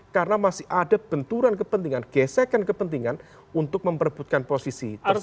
karena masih ada benturan kepentingan gesekan kepentingan untuk memperbutkan posisi tersebut